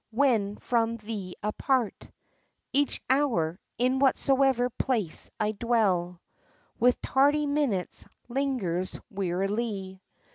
— When from thee apart Each hour, in whatsoever place I dwell, With tardy minutes lingers wearily.